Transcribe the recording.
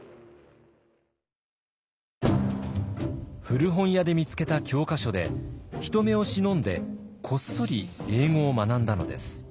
古本屋で見つけた教科書で人目を忍んでこっそり英語を学んだのです。